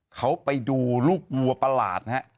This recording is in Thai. เขาไปดูลูกวัวประหลาดนะฮะ